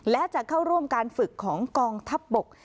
และจะเข้าร่วมการฝึกของกองทัพบก